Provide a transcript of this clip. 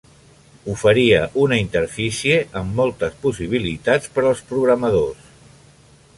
Oferia una interfície amb moltes possibilitats per als programadors.